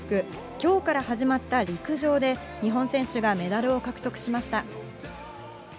きょうから始まった陸上で、日本選手がメダルを獲得しました。